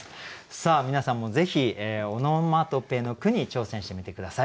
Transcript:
さあ皆さんもぜひオノマトペの句に挑戦してみて下さい。